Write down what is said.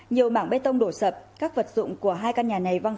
nhiều mảng bê tông đổ sập các vật dụng của hai căn nhà này văng